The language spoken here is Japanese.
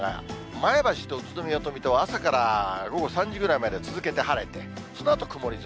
前橋と宇都宮と水戸は、朝から午後３時ぐらいまで続けて晴れて、そのあと曇り空。